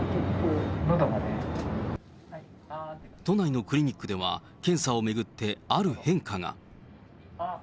都内のクリニックでは、検査を巡ってある変化が。